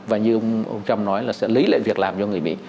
và như ông trump nói là sẽ lấy lại việc làm cho người mỹ